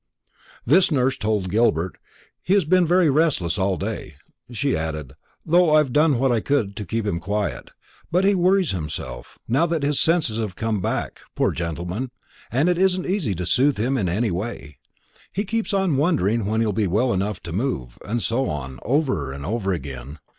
This the nurse told Gilbert. "He has been very restless all day," she added, "though I've done what I could to keep him quiet. But he worries himself, now that his senses have come back, poor gentleman; and it isn't easy to soothe him any way. He keeps on wondering when he'll be well enough to move, and so on, over and over again.